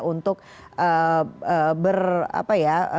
untuk berapa ya